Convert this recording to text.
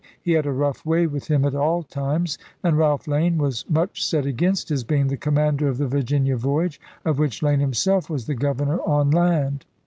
He had a rough way with him at all times; and Ralph Lane was much set against his being the commander of the 'Virginia Voyage * of which Lane himself was the governor on land.